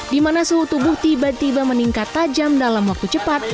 di mana suhu tubuh tiba tiba meningkat tajam dalam waktu cepat